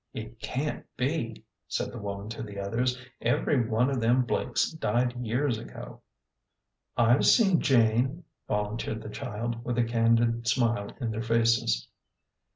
" It can't be," said the woman to the others. " Every one of them Blakes died years ago." " I've seen Jane," volunteered the child, with a candid smile in their faces.